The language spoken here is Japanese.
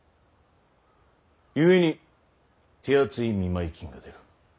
ゆえに手厚い見舞い金が出る。